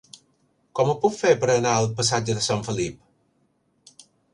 Com ho puc fer per anar al passatge de Sant Felip?